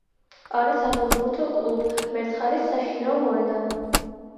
არის საფეხბურთო კლუბ „მერცხალის“ საშინაო მოედანი.